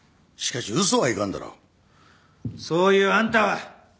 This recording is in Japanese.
そういうあんたは？